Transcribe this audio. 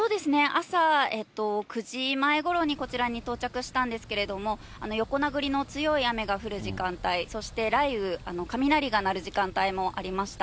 朝９時前ごろにこちらに到着したんですけれども、横殴りの強い雨が降る時間帯、そして雷雨、雷が鳴る時間帯もありました。